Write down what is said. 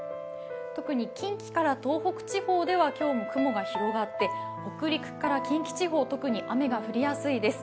特に近畿から東北地方では今日も雲が広がって北陸から近畿地方、特に雨が降りやすいです。